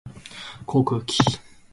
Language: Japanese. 航空機